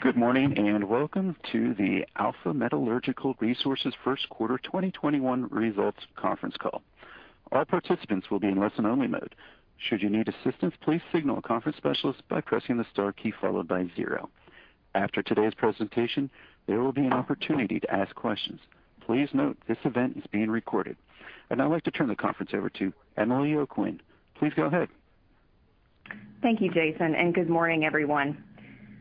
Good morning, and welcome to the Alpha Metallurgical Resources first quarter 2021 results conference call. Our participants will be in listen-only mode. Should you need assistance, please signal a conference specialist by pressing the star key, followed by zero. After today's presentation, there will be an opportunity to ask questions. Please note this event is being recorded. I'd like to turn the conference over to Emily O'Quinn. Please go ahead. Thank you, Jason. Good morning, everyone.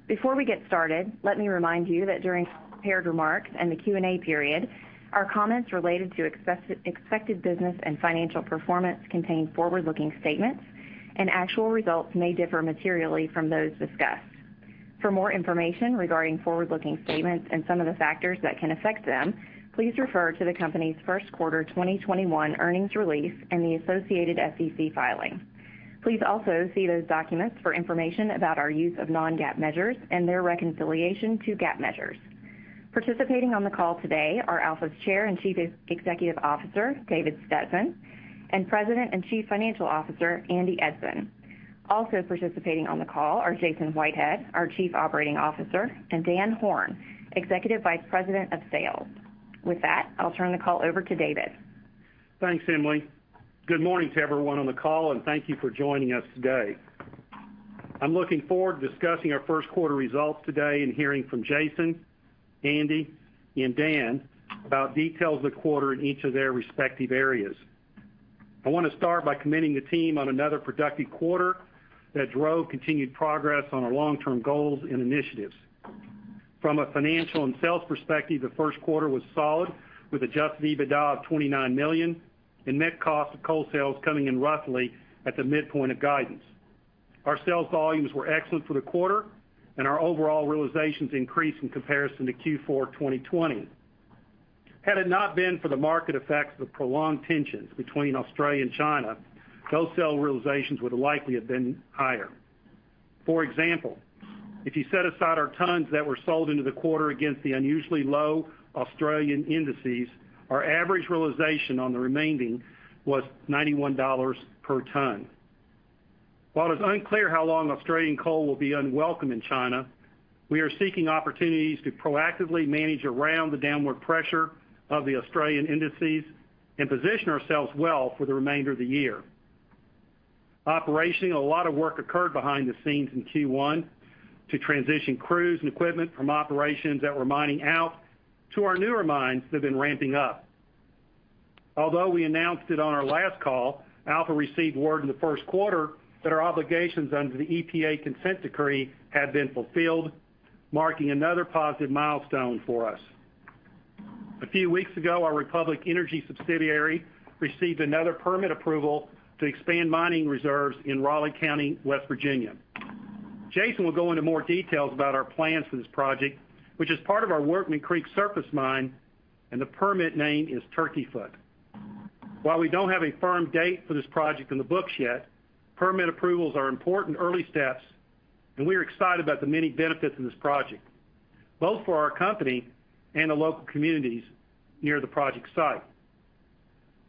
Before we get started, let me remind you that during prepared remarks and the Q&A period, our comments related to expected business and financial performance contain forward-looking statements, and actual results may differ materially from those discussed. For more information regarding forward-looking statements and some of the factors that can affect them, please refer to the company's first quarter 2021 earnings release and the associated SEC filing. Please also see those documents for information about our use of non-GAAP measures and their reconciliation to GAAP measures. Participating on the call today are Alpha's Chair and Chief Executive Officer, David Stetson, and President and Chief Financial Officer, Andy Eidson. Also participating on the call are Jason Whitehead, our Chief Operating Officer, and Dan Horn, Executive Vice President of Sales. With that, I'll turn the call over to David. Thanks, Emily. Good morning to everyone on the call, and thank you for joining us today. I'm looking forward to discussing our first quarter results today and hearing from Jason, Andy, and Dan about details of the quarter in each of their respective areas. I want to start by commending the team on another productive quarter that drove continued progress on our long-term goals and initiatives. From a financial and sales perspective, the first quarter was solid, with adjusted EBITDA of $29 million and net cost of coal sales coming in roughly at the midpoint of guidance. Our sales volumes were excellent for the quarter, and our overall realizations increased in comparison to Q4 2020. Had it not been for the market effects of prolonged tensions between Australia and China, those sale realizations would likely have been higher. For example, if you set aside our tons that were sold into the quarter against the unusually low Australian indices, our average realization on the remaining was $91 per ton. While it is unclear how long Australian coal will be unwelcome in China, we are seeking opportunities to proactively manage around the downward pressure of the Australian indices and position ourselves well for the remainder of the year. Operationally, a lot of work occurred behind the scenes in Q1 to transition crews and equipment from operations that were mining out to our newer mines that have been ramping up. Although we announced it on our last call, Alpha received word in the first quarter that our obligations under the EPA consent decree had been fulfilled, marking another positive milestone for us. A few weeks ago, our Republic Energy subsidiary received another permit approval to expand mining reserves in Raleigh County, West Virginia. Jason will go into more details about our plans for this project, which is part of our Workman Creek surface mine, and the permit name is Turkey Foot. While we don't have a firm date for this project in the books yet, permit approvals are important early steps, and we are excited about the many benefits of this project, both for our company and the local communities near the project site.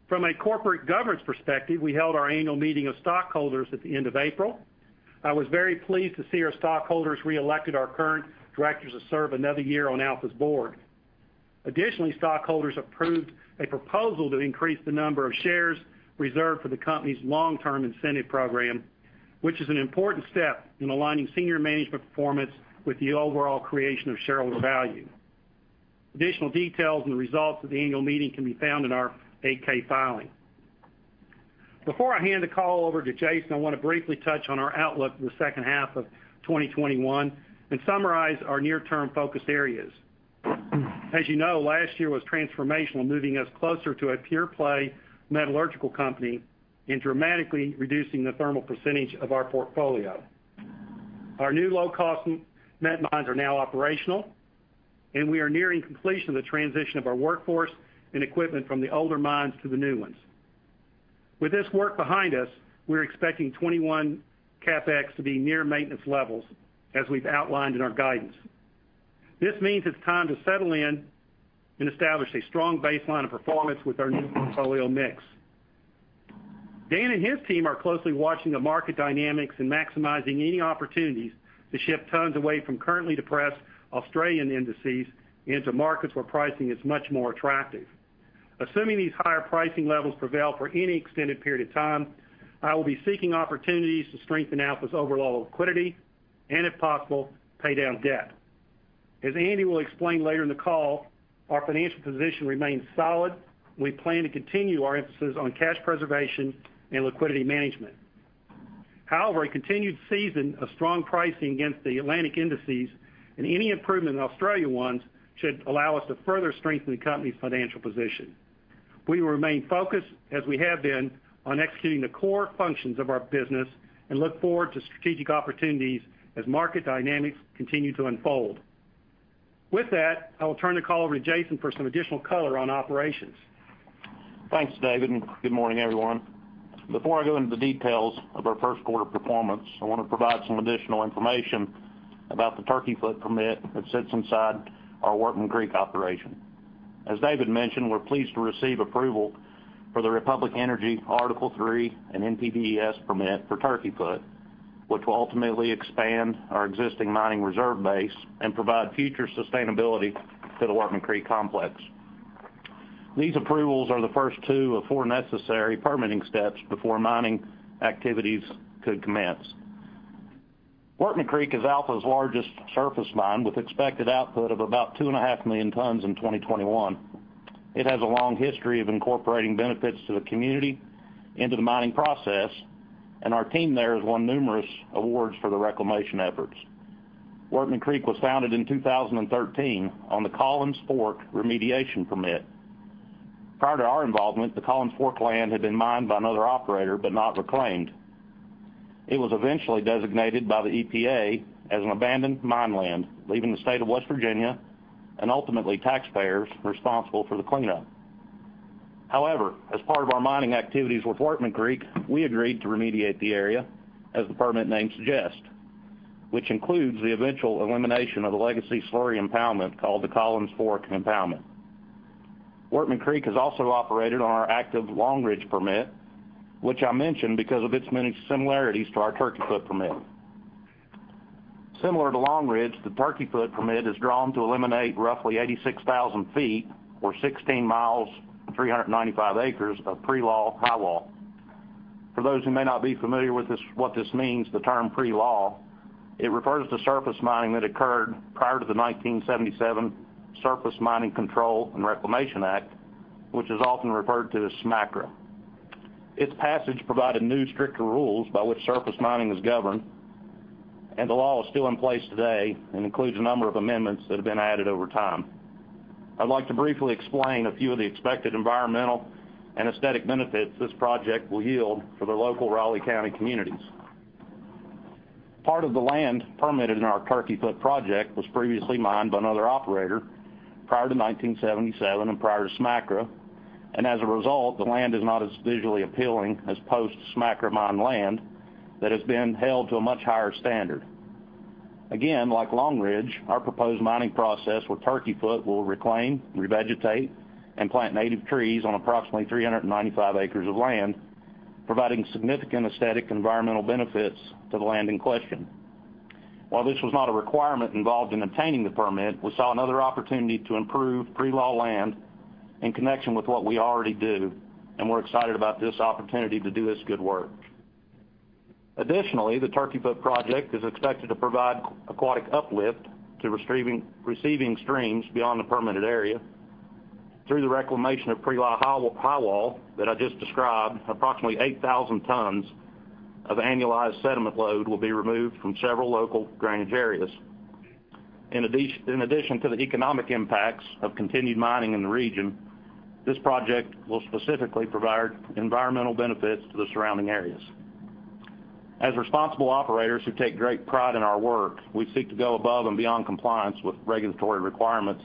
From a corporate governance perspective, we held our annual meeting of stockholders at the end of April. I was very pleased to see our stockholders reelected our current directors to serve another year on Alpha's board. Additionally, stockholders approved a proposal to increase the number of shares reserved for the company's long-term incentive program, which is an important step in aligning senior management performance with the overall creation of shareholder value. Additional details and the results of the annual meeting can be found in our 8-K filing. Before I hand the call over to Jason, I want to briefly touch on our outlook for the second half of 2021 and summarize our near-term focus areas. As you know, last year was transformational, moving us closer to a pure-play metallurgical company and dramatically reducing the thermal percentage of our portfolio. Our new low-cost met mines are now operational, and we are nearing completion of the transition of our workforce and equipment from the older mines to the new ones. With this work behind us, we're expecting 2021 CapEx to be near maintenance levels as we've outlined in our guidance. This means it's time to settle in and establish a strong baseline of performance with our new portfolio mix. Dan and his team are closely watching the market dynamics and maximizing any opportunities to ship tons away from currently depressed Australian indices into markets where pricing is much more attractive. Assuming these higher pricing levels prevail for any extended period of time, I will be seeking opportunities to strengthen Alpha's overall liquidity and, if possible, pay down debt. As Andy will explain later in the call, our financial position remains solid, and we plan to continue our emphasis on cash preservation and liquidity management. However, a continued season of strong pricing against the Atlantic indices and any improvement in Australia ones should allow us to further strengthen the company's financial position. We will remain focused, as we have been, on executing the core functions of our business and look forward to strategic opportunities as market dynamics continue to unfold. With that, I will turn the call over to Jason for some additional color on operations. Thanks, David, and good morning, everyone. Before I go into the details of our first quarter performance, I want to provide some additional information about the Turkey Foot permit that sits inside our Workman Creek operation As David mentioned, we're pleased to receive approval for the Republic Energy Article III and NPDES permit for Turkey Foot, which will ultimately expand our existing mining reserve base and provide future sustainability to the Workman Creek complex. These approvals are the first two of four necessary permitting steps before mining activities could commence. Workman Creek is Alpha's largest surface mine, with expected output of about 2.5 million tons in 2021. It has a long history of incorporating benefits to the community into the mining process, and our team there has won numerous awards for their reclamation efforts. Workman Creek was founded in 2013 on the Collins Fork remediation permit. Prior to our involvement, the Collins Fork land had been mined by another operator but not reclaimed. It was eventually designated by the EPA as an abandoned mine land, leaving the state of West Virginia and ultimately taxpayers responsible for the cleanup. As part of our mining activities with Workman Creek, we agreed to remediate the area, as the permit name suggests, which includes the eventual elimination of the legacy slurry impoundment called the Collins Fork Impoundment. Workman Creek is also operated on our active Long Ridge permit, which I mention because of its many similarities to our Turkey Foot permit. Similar to Long Ridge, the Turkey Foot permit is drawn to eliminate roughly 86,000 feet or 16 miles, 395 acres of pre-law highwall. For those who may not be familiar with what this means, the term pre-law, it refers to surface mining that occurred prior to the 1977 Surface Mining Control and Reclamation Act, which is often referred to as SMCRA. Its passage provided new stricter rules by which surface mining is governed, and the law is still in place today and includes a number of amendments that have been added over time. I'd like to briefly explain a few of the expected environmental and aesthetic benefits this project will yield for the local Raleigh County communities. Part of the land permitted in our Turkey Foot project was previously mined by another operator prior to 1977 and prior to SMCRA. As a result, the land is not as visually appealing as post-SMCRA mined land that has been held to a much higher standard. Again, like Long Ridge, our proposed mining process with Turkey Foot will reclaim, revegetate, and plant native trees on approximately 395 acres of land, providing significant aesthetic environmental benefits to the land in question. While this was not a requirement involved in obtaining the permit, we saw another opportunity to improve pre-law land in connection with what we already do, and we're excited about this opportunity to do this good work. Additionally, the Turkey Foot project is expected to provide aquatic uplift to receiving streams beyond the permitted area. Through the reclamation of pre-law highwall that I just described, approximately 8,000 tons of annualized sediment load will be removed from several local drainage areas. In addition to the economic impacts of continued mining in the region, this project will specifically provide environmental benefits to the surrounding areas. As responsible operators who take great pride in our work, we seek to go above and beyond compliance with regulatory requirements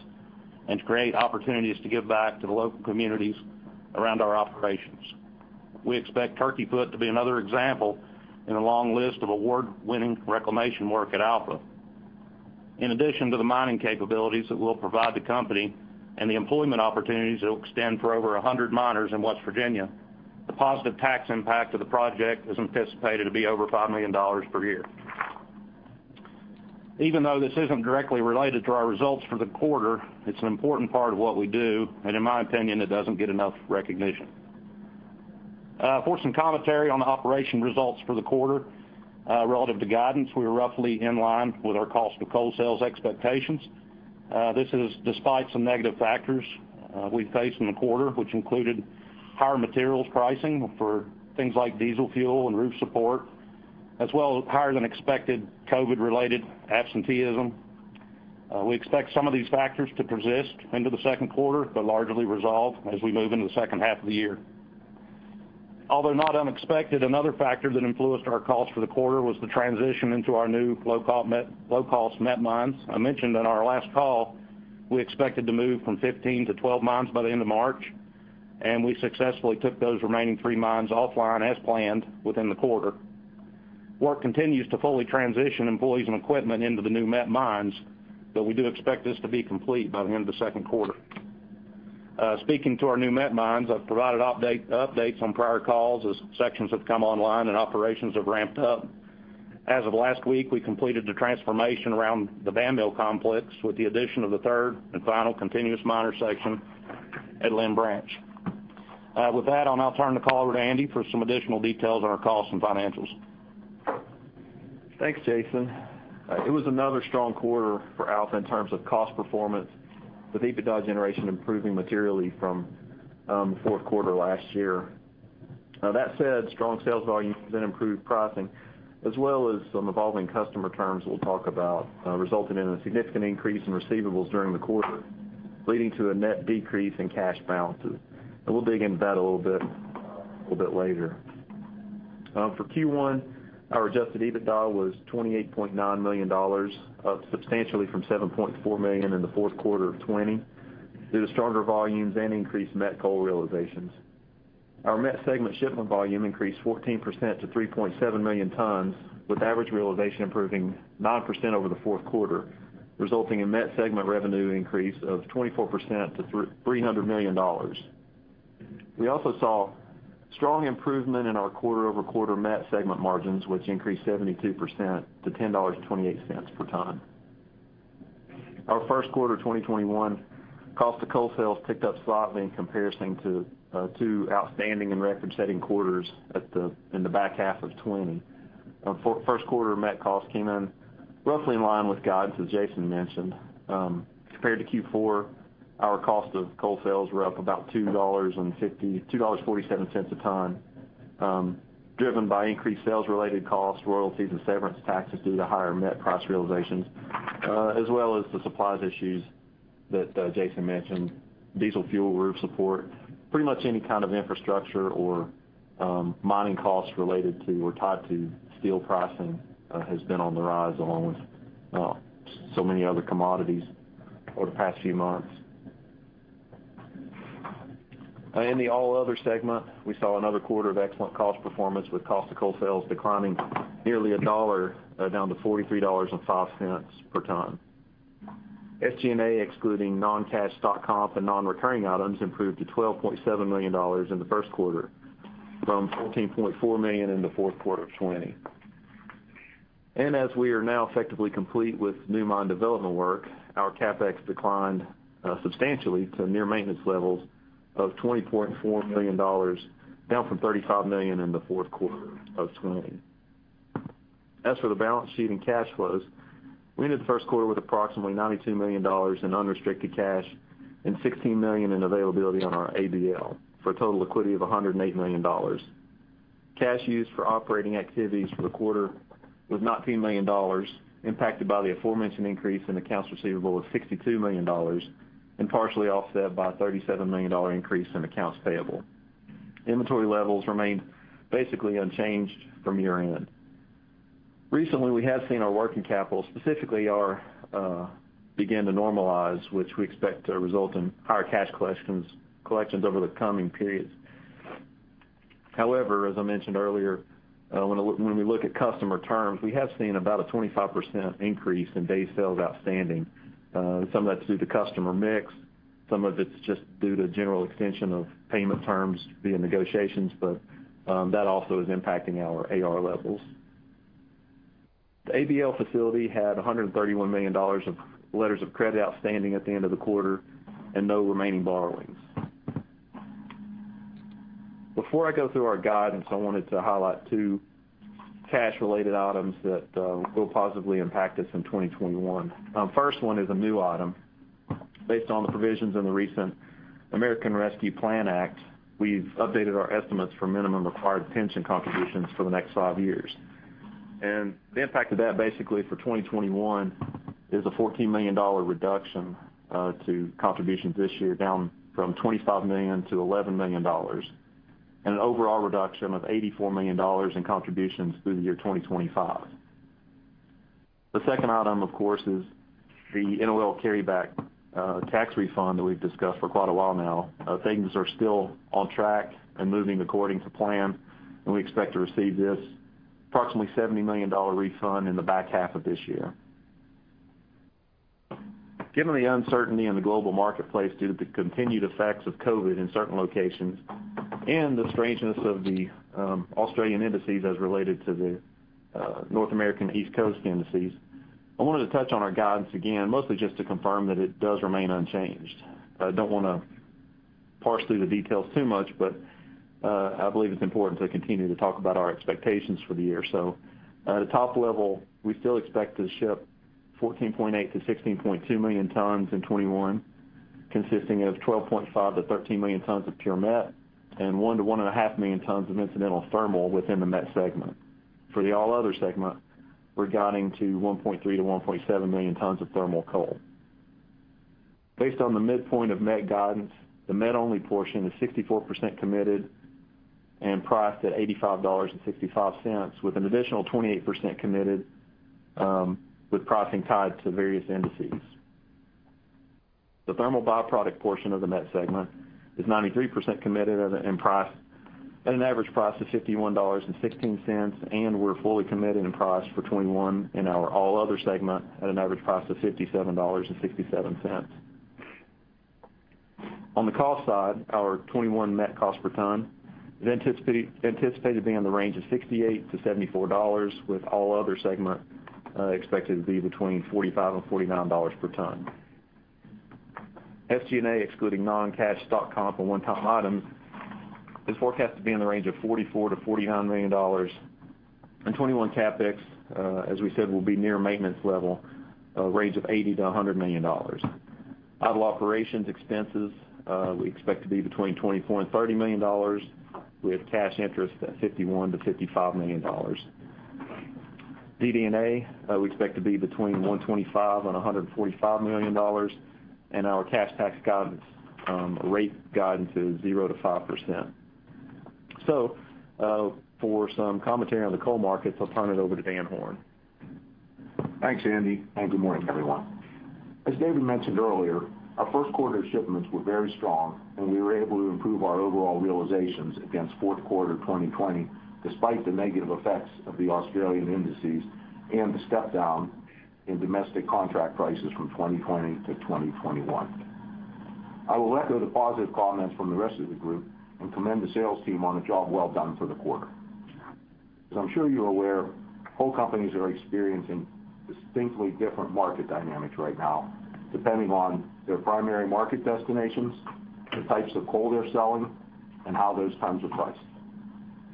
and to create opportunities to give back to the local communities around our operations. We expect Turkey Foot to be another example in a long list of award-winning reclamation work at Alpha. In addition to the mining capabilities that we'll provide the company and the employment opportunities that will extend for over 100 miners in West Virginia, the positive tax impact of the project is anticipated to be over $5 million per year. Even though this isn't directly related to our results for the quarter, it's an important part of what we do, and in my opinion, it doesn't get enough recognition. For some commentary on the operation results for the quarter. Relative to guidance, we were roughly in line with our cost of coal sales expectations. This is despite some negative factors we faced in the quarter, which included higher materials pricing for things like diesel fuel and roof support, as well as higher than expected COVID-related absenteeism. We expect some of these factors to persist into the second quarter, but largely resolve as we move into the second half of the year. Although not unexpected, another factor that influenced our costs for the quarter was the transition into our new low-cost met mines. I mentioned on our last call, we expected to move from 15 to 12 mines by the end of March, and we successfully took those remaining three mines offline as planned within the quarter. Work continues to fully transition employees and equipment into the new met mines, but we do expect this to be complete by the end of the second quarter. Speaking to our new met mines, I've provided updates on prior calls as sections have come online and operations have ramped up. As of last week, we completed the transformation around the Danville complex with the addition of the third and final continuous miner section at Lynn Branch. With that, I'll now turn the call over to Andy for some additional details on our costs and financials. Thanks, Jason. That said, strong sales volume improved pricing as well as some evolving customer terms we'll talk about, resulting in a significant increase in receivables during the quarter, leading to a net decrease in cash balances. We'll dig into that a little bit later. For Q1, our adjusted EBITDA was $28.9 million, up substantially from $7.4 million in the fourth quarter of 2020, due to stronger volumes and increased met coal realizations. Our met segment shipment volume increased 14% to 3.7 million tons, with average realization improving 9% over the fourth quarter, resulting in met segment revenue increase of 24% to $300 million. We also saw strong improvement in our quarter-over-quarter met segment margins, which increased 72% to $10.28 per ton. Our first quarter 2021 cost of coal sales ticked up slightly in comparison to two outstanding and record-setting quarters in the back half of 2020. Our first quarter met costs came in roughly in line with guidance, as Jason mentioned. Compared to Q4, our cost of coal sales were up about $2.47 a ton, driven by increased sales-related costs, royalties, and severance taxes due to higher met price realizations, as well as the supplies issues that Jason mentioned. Diesel fuel, roof support, pretty much any kind of infrastructure or mining costs related to or tied to steel pricing has been on the rise, along with so many other commodities over the past few months. In the all other segment, we saw another quarter of excellent cost performance, with cost of coal sales declining nearly a dollar, down to $43.05 per ton. SG&A, excluding non-cash stock comp and non-recurring items, improved to $12.7 million in the first quarter from $14.4 million in the fourth quarter of 2020. As we are now effectively complete with new mine development work, our CapEx declined substantially to near maintenance levels of $20.4 million, down from $35 million in the fourth quarter of 2020. As for the balance sheet and cash flows, we ended the first quarter with approximately $92 million in unrestricted cash and $16 million in availability on our ABL, for a total liquidity of $108 million. Cash used for operating activities for the quarter was $19 million, impacted by the aforementioned increase in accounts receivable of $62 million and partially offset by a $37 million increase in accounts payable. Inventory levels remained basically unchanged from year-end. Recently, we have seen our working capital specifically begin to normalize, which we expect to result in higher cash collections over the coming periods. As I mentioned earlier, when we look at customer terms, we have seen about a 25% increase in days sales outstanding. Some of that's due to customer mix, some of it's just due to general extension of payment terms via negotiations, that also is impacting our AR levels. The ABL facility had $131 million of letters of credit outstanding at the end of the quarter and no remaining borrowings. Before I go through our guidance, I wanted to highlight two cash-related items that will positively impact us in 2021. First one is a new item. Based on the provisions in the recent American Rescue Plan Act, we've updated our estimates for minimum required pension contributions for the next five years. The impact of that basically for 2021 is a $14 million reduction to contributions this year, down from $25 million to $11 million, and an overall reduction of $84 million in contributions through the year 2025. The second item, of course, is the NOL carryback tax refund that we've discussed for quite a while now. Things are still on track and moving according to plan, and we expect to receive this approximately $70 million refund in the back half of this year. Given the uncertainty in the global marketplace due to the continued effects of COVID in certain locations and the strangeness of the Australian indices as related to the North American East Coast indices, I wanted to touch on our guidance again, mostly just to confirm that it does remain unchanged. I don't want to parse through the details too much. I believe it's important to continue to talk about our expectations for the year. At a top level, we still expect to ship 14.8 million-16.2 million tons in 2021, consisting of 12.5 million-13 million tons of pure met and 1 million-1.5 million tons of incidental thermal within the met segment. For the All Other segment, we're guiding to 1.3 million-1.7 million tons of thermal coal. Based on the midpoint of met guidance, the met-only portion is 64% committed and priced at $85.65, with an additional 28% committed with pricing tied to various indices. The thermal byproduct portion of the met segment is 93% committed and priced at an average price of $51.16. We're fully committed and priced for 2021 in our All Other segment at an average price of $57.67. On the cost side, our 2021 met cost per ton is anticipated to be in the range of $68-$74, with all other segment expected to be between $45-$49 per ton. SG&A, excluding non-cash stock comp and one-time items, is forecast to be in the range of $44 million-$49 million, and 2021 CapEx, as we said, will be near maintenance level, a range of $80 million-$100 million. Idle operations expenses we expect to be between $24 million-$30 million, with cash interest at $51 million-$55 million. DD&A we expect to be between $125 million-$145 million, and our cash tax guidance rate guidance is 0%-5%. For some commentary on the coal markets, I'll turn it over to Dan Horn. Thanks, Andy, and good morning, everyone. As David mentioned earlier, our first quarter shipments were very strong and we were able to improve our overall realizations against fourth quarter 2020, despite the negative effects of the Australian indices and the step-down in domestic contract prices from 2020 to 2021. I will echo the positive comments from the rest of the group and commend the sales team on a job well done for the quarter. As I'm sure you're aware, coal companies are experiencing distinctly different market dynamics right now, depending on their primary market destinations, the types of coal they're selling, and how those tons are priced.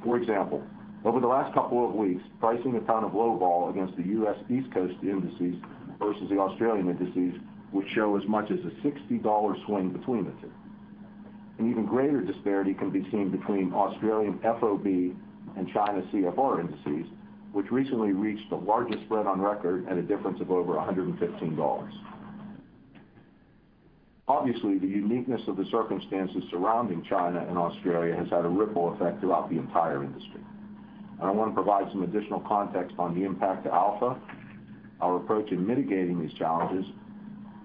For example, over the last couple of weeks, pricing a ton of low vol against the U.S. East Coast indices versus the Australian indices would show as much as a $60 swing between the two. An even greater disparity can be seen between Australian FOB and China CFR indices, which recently reached the largest spread on record at a difference of over $115. Obviously, the uniqueness of the circumstances surrounding China and Australia has had a ripple effect throughout the entire industry, and I want to provide some additional context on the impact to Alpha, our approach in mitigating these challenges,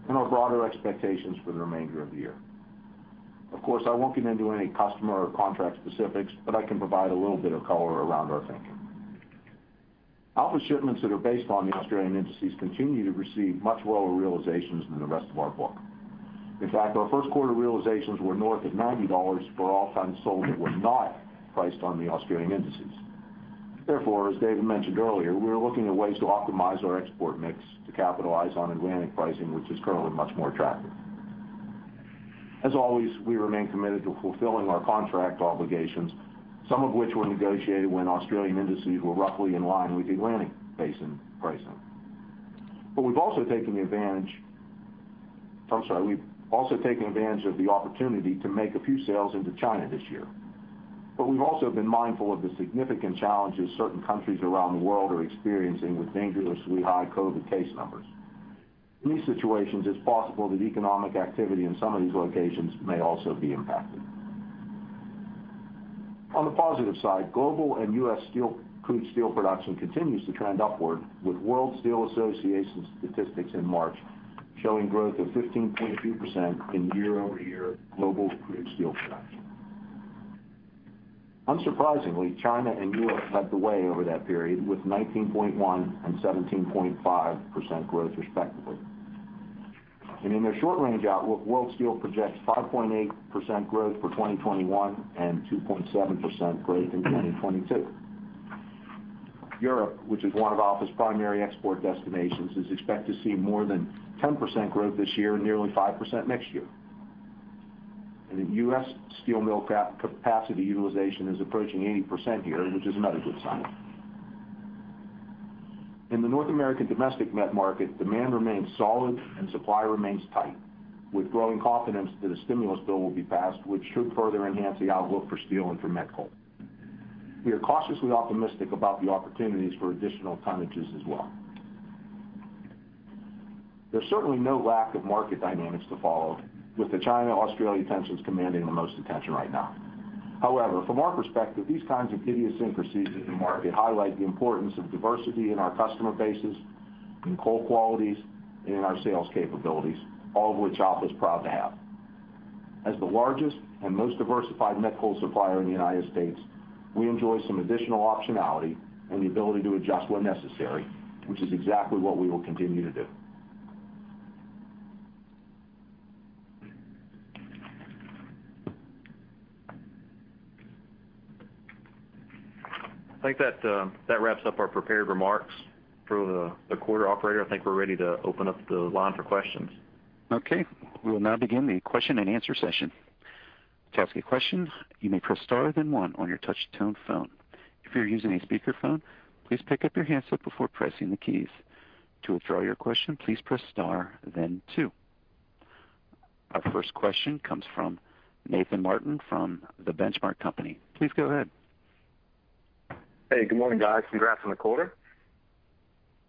and our broader expectations for the remainder of the year. Of course, I won't get into any customer or contract specifics, but I can provide a little bit of color around our thinking. Alpha shipments that are based on the Australian indices continue to receive much lower realizations than the rest of our book. In fact, our first quarter realizations were north of $90 for all tons sold that were not priced on the Australian indices. Therefore, as David mentioned earlier, we are looking at ways to optimize our export mix to capitalize on Atlantic pricing, which is currently much more attractive. As always, we remain committed to fulfilling our contract obligations, some of which were negotiated when Australian indices were roughly in line with Atlantic pricing. We've also taken advantage of the opportunity to make a few sales into China this year. We've also been mindful of the significant challenges certain countries around the world are experiencing with dangerously high COVID case numbers. In these situations, it's possible that economic activity in some of these locations may also be impacted. On the positive side, global and U.S. crude steel production continues to trend upward with World Steel Association statistics in March showing growth of 15.2% in year-over-year global crude steel production. Unsurprisingly, China and Europe led the way over that period with 19.1% and 17.5% growth respectively. In their short range outlook, World Steel projects 5.8% growth for 2021 and 2.7% growth in 2022. Europe, which is one of Alpha's primary export destinations, is expected to see more than 10% growth this year and nearly 5% next year. In U.S., steel mill capacity utilization is approaching 80% here, which is another good sign. In the North American domestic met market, demand remains solid and supply remains tight with growing confidence that a stimulus bill will be passed, which should further enhance the outlook for steel and for met coal. We are cautiously optimistic about the opportunities for additional tonnages as well. There's certainly no lack of market dynamics to follow, with the China-Australia tensions commanding the most attention right now. However, from our perspective, these kinds of idiosyncrasies in the market highlight the importance of diversity in our customer bases, in coal qualities, and in our sales capabilities, all of which Alpha is proud to have. As the largest and most diversified met coal supplier in the United States, we enjoy some additional optionality and the ability to adjust when necessary, which is exactly what we will continue to do. I think that wraps up our prepared remarks for the quarter. Operator, I think we're ready to open up the line for questions. Okay. We will now begin the question and answer session. To ask a question, you may press star then one on your touch-tone phone. If you are using a speakerphone, please pick up your handset before pressing the keys. To withdraw your question, please press star then two. Our first question comes from Nathan Martin from The Benchmark Company. Please go ahead. Hey, good morning, guys. Congrats on the quarter.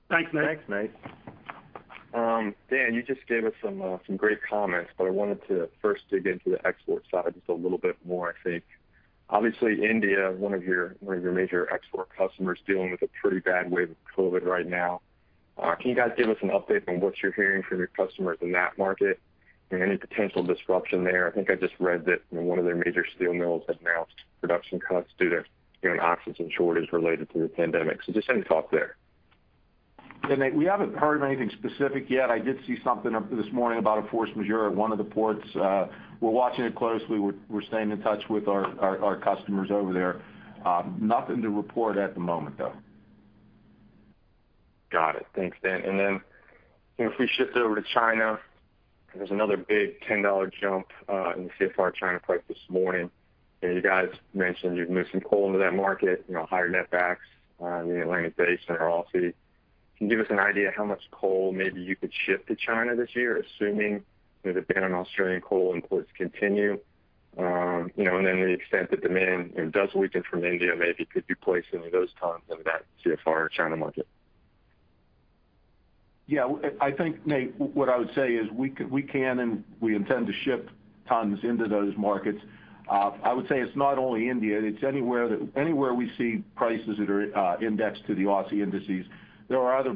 Thanks, Nate. Thanks, Nate. Dan, you just gave us some great comments, but I wanted to first dig into the export side just a little bit more, I think. Obviously, India, one of your major export customers, dealing with a pretty bad wave of COVID right now. Can you guys give us an update on what you're hearing from your customers in that market? Any potential disruption there? I think I just read that one of their major steel mills had announced production cuts due to an oxygen shortage related to the pandemic. Just any thought there. Yeah, Nate, we haven't heard of anything specific yet. I did see something this morning about a force majeure at one of the ports. We're watching it closely. We're staying in touch with our customers over there. Nothing to report at the moment, though. Got it. Thanks, Dan. If we shift over to China, there was another big $10 jump in the CFR China price this morning. You guys mentioned you've moved some coal into that market, higher net backs in the Atlantic Basin and royalty. Can you give us an idea how much coal maybe you could ship to China this year, assuming the ban on Australian coal imports continue? The extent that demand does weaken from India, maybe could you place any of those tons into that CFR China market? I think, Nate, what I would say is we can and we intend to ship tons into those markets. I would say it's not only India, it's anywhere we see prices that are indexed to the Aussie indices. There are other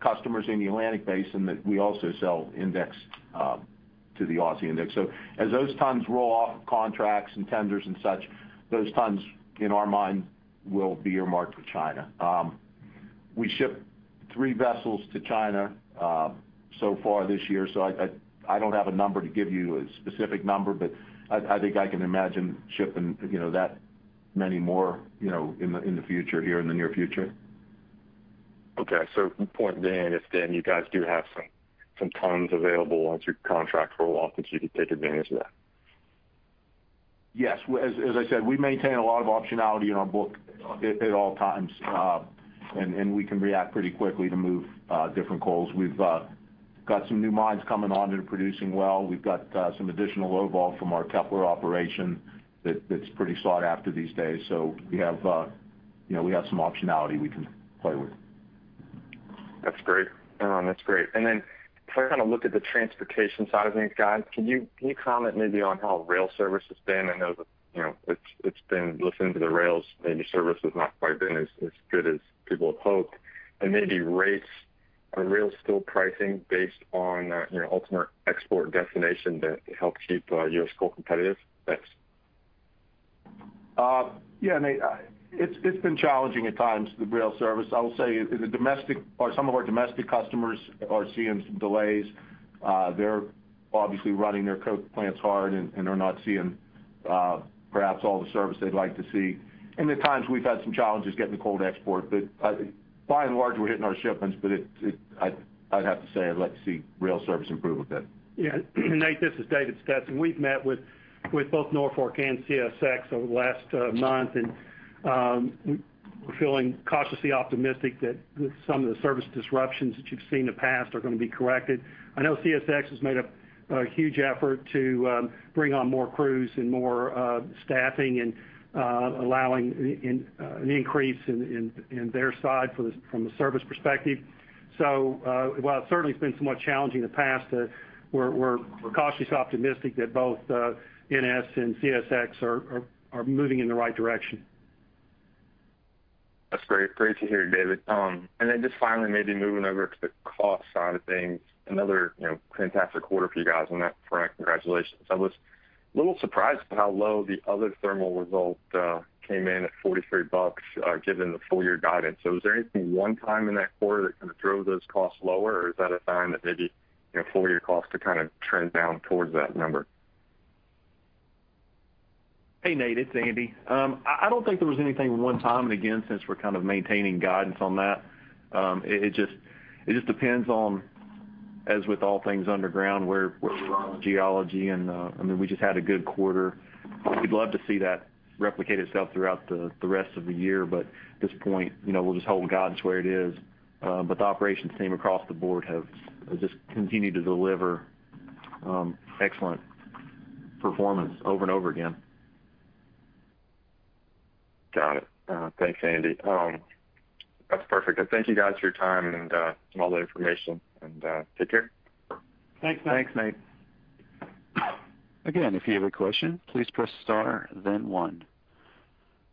customers in the Atlantic Basin that we also sell index to the Aussie index. As those tons roll off contracts and tenders and such, those tons, in our mind, will be earmarked for China. We shipped three vessels to China so far this year, I don't have a number to give you, a specific number, but I think I can imagine shipping that many more in the future here in the near future. Okay. The point then is then you guys do have some tons available once your contracts roll off that you can take advantage of that? Yes. As I said, we maintain a lot of optionality in our book at all times. We can react pretty quickly to move different coals. We've got some new mines coming on that are producing well. We've got some additional low vol from our Kepler operation that's pretty sought after these days. We have some optionality we can play with. That's great. Then if I kind of look at the transportation side of things, guys, can you comment maybe on how rail service has been? I know that it's been, listening to the rails, maybe service has not quite been as good as people had hoped. Maybe rates on rail still pricing based on ultimate export destination that help keep your coal competitive? Thanks. Yeah, Nate, it's been challenging at times, the rail service. I will say some of our domestic customers are seeing some delays. They're obviously running their coke plants hard, and they're not seeing perhaps all the service they'd like to see. At times we've had some challenges getting the coal to export. By and large, we're hitting our shipments, but I'd have to say I'd like to see rail service improve a bit. Yeah. Nate, this is David Stetson. We've met with both Norfolk and CSX over the last month. We're feeling cautiously optimistic that some of the service disruptions that you've seen in the past are going to be corrected. I know CSX has made a huge effort to bring on more crews and more staffing and allowing an increase in their side from the service perspective. While it certainly has been somewhat challenging in the past, we're cautiously optimistic that both NS and CSX are moving in the right direction. That's great to hear, David. Then just finally, maybe moving over to the cost side of things. Another fantastic quarter for you guys on that front, congratulations. I was a little surprised at how low the other thermal results came in at $43, given the full-year guidance. Is there anything one-time in that quarter that kind of drove those costs lower, or is that a sign that maybe full-year costs could kind of trend down towards that number? Hey, Nate, it's Andy. I don't think there was anything one time. Again, since we're kind of maintaining guidance on that, it just depends on, as with all things underground, where we are with geology and, I mean, we just had a good quarter. At this point, we'll just hold guidance where it is. The operations team across the board have just continued to deliver excellent performance over and over again. Got it. Thanks, Andy. That's perfect. Thank you guys for your time and all the information, and take care. Thanks, Nate. Thanks, Nate. If you have a question, please press star then one.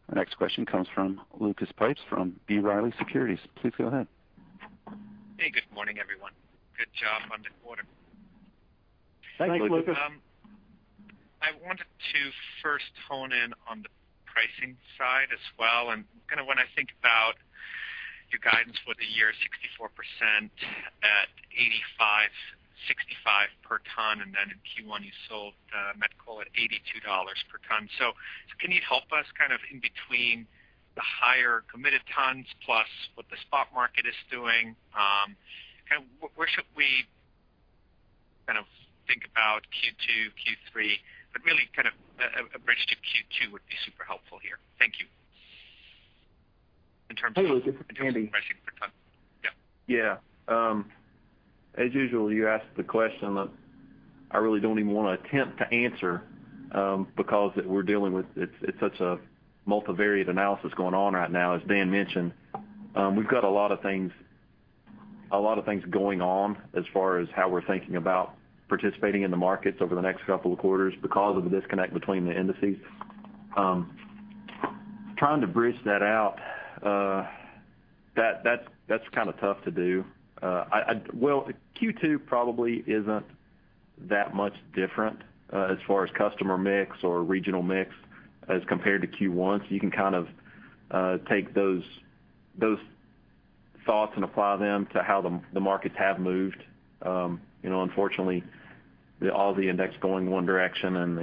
The next question comes from Lucas Pipes from B. Riley Securities. Please go ahead. Hey, good morning, everyone. Good job on the quarter. Thanks, Lucas. Thanks, Lucas. I wanted to first hone in on the pricing side as well, and kind of when I think about your guidance for the year, 64% at $85.65 per ton, and then in Q1 you sold met coal at $82 per ton. Can you help us kind of in between the higher committed tons plus what the spot market is doing? Where should we kind of think about Q2, Q3? Really kind of a bridge to Q2 would be super helpful here. Thank you. Hey, Lucas. It's Andy. pricing per ton. Yeah. Yeah. As usual, you ask the question that I really don't even want to attempt to answer, because we're dealing with such a multivariate analysis going on right now, as Dan mentioned. We've got a lot of things going on as far as how we're thinking about participating in the markets over the next couple of quarters because of the disconnect between the indices. Trying to bridge that out, that's kind of tough to do. Well, Q2 probably isn't that much different as far as customer mix or regional mix as compared to Q1. You can kind of take those thoughts and apply them to how the markets have moved. Unfortunately, all the index going one direction and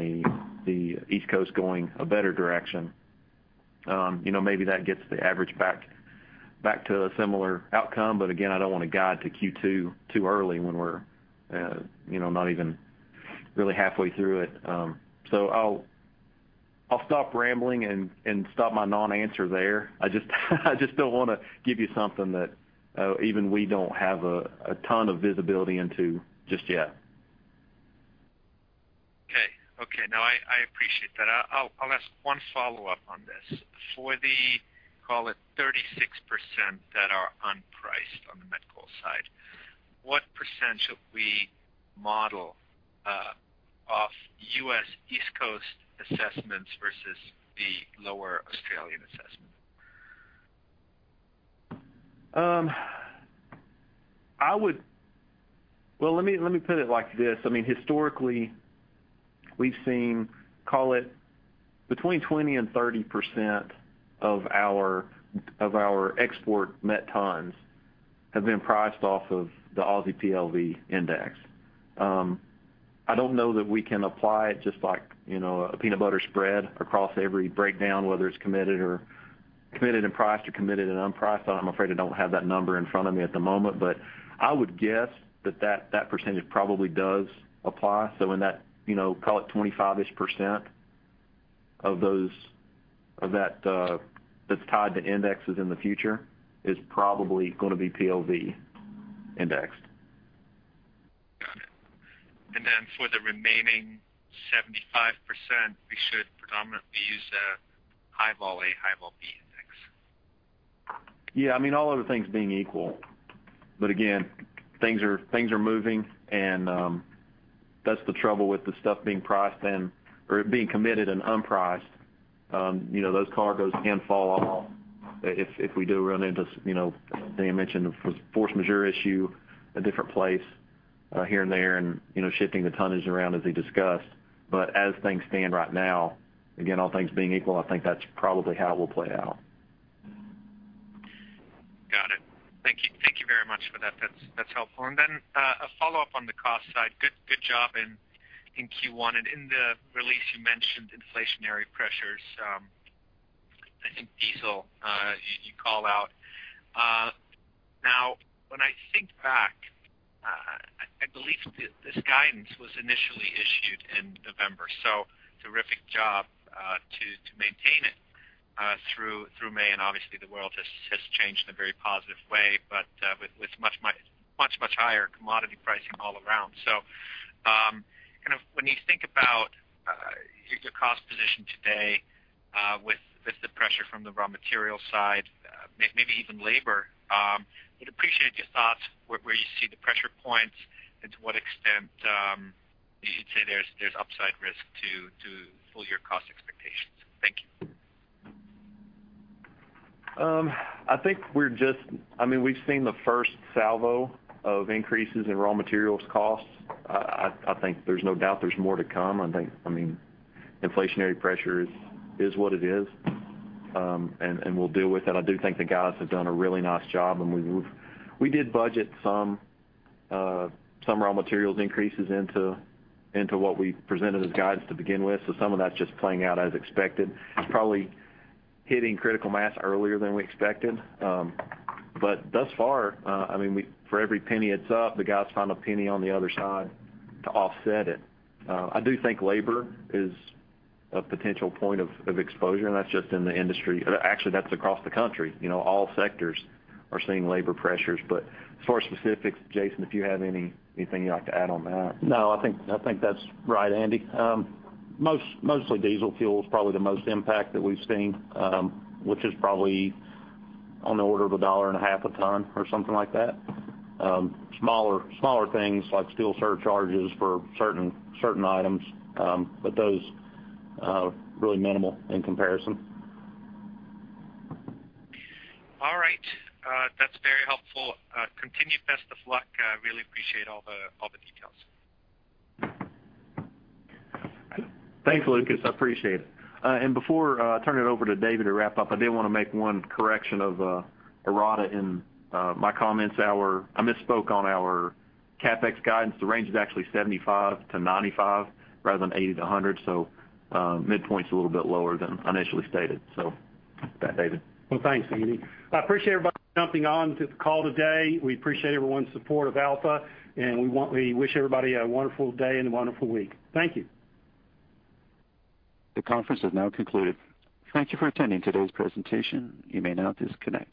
the East Coast going a better direction. Maybe that gets the average back to a similar outcome. Again, I don't want to guide to Q2 too early when we're not even really halfway through it. I'll stop rambling and stop my non-answer there. I just don't want to give you something that even we don't have a ton of visibility into just yet. Okay. No, I appreciate that. I'll ask one follow-up on this. For the, call it 36% that are unpriced on the met coal side, what percent should we model off U.S. East Coast assessments versus the lower Australian assessment? Well, let me put it like this. Historically, we've seen, call it between 20% and 30% of our export met tons have been priced off of the Aussie PLV index. I don't know that we can apply it just like a peanut butter spread across every breakdown, whether it's committed and priced or committed and unpriced. I'm afraid I don't have that number in front of me at the moment. I would guess that that percentage probably does apply. In that, call it 25-ish% of that's tied to indexes in the future is probably going to be PLV indexed. Got it. For the remaining 75%, we should predominantly use the High-Vol A, High-Vol B index. Yeah. All other things being equal. Again, things are moving, and that's the trouble with the stuff being priced then, or it being committed and unpriced. Those cargoes can fall off if we do run into, Dan mentioned the force majeure issue, a different place here and there, and shifting the tonnage around as we discussed. As things stand right now, again, all things being equal, I think that's probably how it will play out. Got it. Thank you very much for that. That's helpful. A follow-up on the cost side. Good job in Q1. In the release, you mentioned inflationary pressures. I think diesel you call out. When I think back, I believe this guidance was initially issued in November, so terrific job to maintain it through May. Obviously, the world has changed in a very positive way, but with much, much higher commodity pricing all around. When you think about your cost position today with the pressure from the raw material side, maybe even labor, would appreciate your thoughts where you see the pressure points and to what extent you'd say there's upside risk to full year cost expectations. Thank you. We've seen the first salvo of increases in raw materials costs. I think there's no doubt there's more to come. Inflationary pressure is what it is, and we'll deal with it. I do think the guys have done a really nice job, and we did budget some raw materials increases into what we presented as guidance to begin with. Some of that's just playing out as expected. It's probably hitting critical mass earlier than we expected. Thus far for every penny it's up, the guys find a penny on the other side to offset it. I do think labor is a potential point of exposure, and that's just in the industry. Actually, that's across the country. All sectors are seeing labor pressures. As far as specifics, Jason, if you have anything you'd like to add on that? No, I think that's right, Andy. Mostly diesel fuel is probably the most impact that we've seen, which is probably on the order of a dollar and a half a ton or something like that. Smaller things like steel surcharges for certain items, those really minimal in comparison. All right. That is very helpful. Continued best of luck. Really appreciate all the details. Thanks, Lucas. I appreciate it. Before I turn it over to David to wrap up, I did want to make one correction of a errata in my comments. I misspoke on our CapEx guidance. The range is actually $75-$95 rather than $80-$100. Midpoint's a little bit lower than initially stated. With that, David. Well, thanks, Andy. I appreciate everybody jumping onto the call today. We appreciate everyone's support of Alpha, and we wish everybody a wonderful day and a wonderful week. Thank you. The conference has now concluded. Thank you for attending today's presentation. You may now disconnect.